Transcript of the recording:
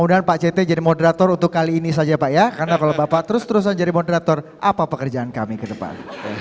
dan juga ibu ria f harin yang indah